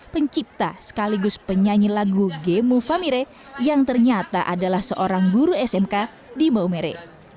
pencipta sekaligus penyanyi lagu gemu famire yang ternyata adalah seorang guru smk di maumere